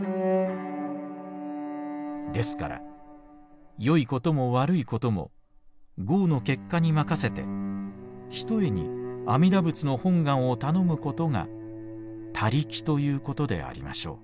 「ですからよいことも悪いことも業の結果に任せてひとえに阿弥陀仏の本願をたのむことが他力ということでありましょう」。